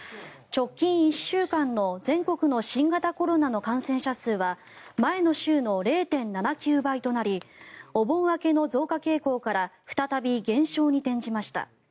直近１週間の全国の新型コロナの感染者数は前の週の０．７９倍となりお盆明けの増加傾向から再び減少に転じました。